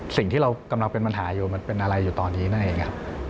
สิ่งที่เรากำลังเป็นปัญหาอยู่มันเป็นอะไรอยู่ตอนนี้นั่นเองครับ